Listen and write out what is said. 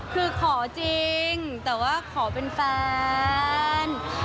คือขอจริงแต่ว่าขอเป็นแฟน